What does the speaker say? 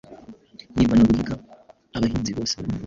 Yimana guhiga abahinza bose bari mu Rwanda ,